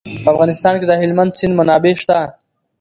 په افغانستان کې د هلمند سیند منابع شته.